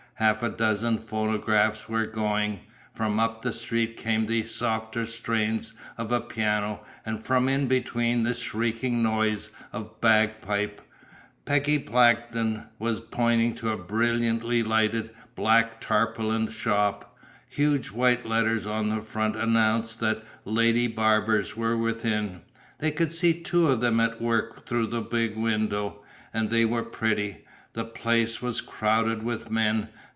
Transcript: Half a dozen phonographs were going. From up the street came the softer strains of a piano, and from in between the shrieking notes of bagpipe. Peggy Blackton was pointing to a brilliantly lighted, black tarpaulined shop. Huge white letters on its front announced that Lady Barbers were within. They could see two of them at work through the big window. And they were pretty. The place was crowded with men.